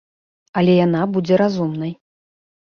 Але яна будзе разумнай.